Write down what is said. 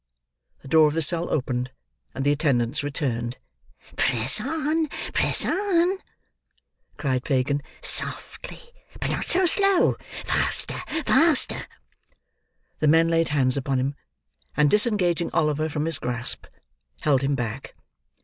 The door of the cell opened, and the attendants returned. "Press on, press on," cried Fagin. "Softly, but not so slow. Faster, faster!" The men laid hands upon him, and disengaging Oliver from his grasp, held him back.